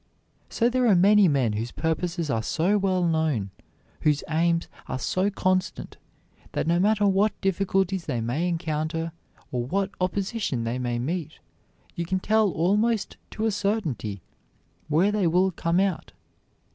So there are many men whose purposes are so well known, whose aims are so constant, that no matter what difficulties they may encounter, or what opposition they may meet, you can tell almost to a certainty where they will come out.